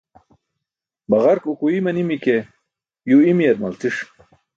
Baġark ukuiy manimi ke yuw imiyar malciṣ.